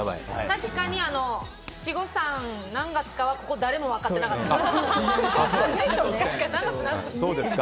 確かに七五三、何月かここ誰も分かってなかったです。